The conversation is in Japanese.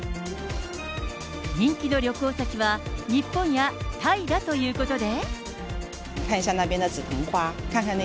人気の旅行先は日本やタイだということで。